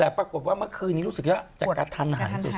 แต่ปรากฏว่าเมื่อคืนนี้รู้สึกว่าจะกระทันหันสุด